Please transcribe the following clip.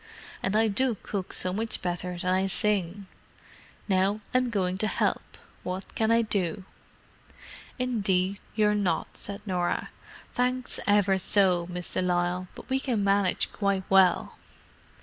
And I do cook so much better than I sing! Now I'm going to help. What can I do?" "Indeed, you're not," said Norah. "Thanks ever so, Miss de Lisle, but we can manage quite well."